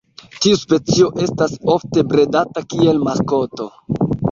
Tiu specio estas ofte bredata kiel maskoto.